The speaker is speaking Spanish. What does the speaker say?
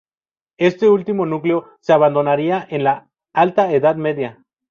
Este último núcleo se abandonaría en la Alta Edad Media.